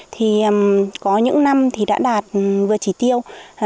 thì có những năm thì đã đạt vừa chỉ tiêu ba bốn